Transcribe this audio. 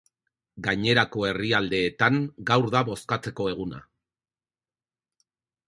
Gainerako herrialdeetan, gaur da bozkatzeko eguna.